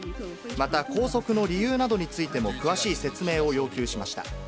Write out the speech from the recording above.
また、拘束の理由などについても詳しい説明を要求しました。